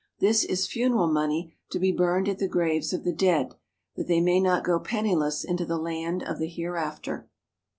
This is funeral money to be burned at the graves of the dead, that they may not go penniless into the land of the hereafter.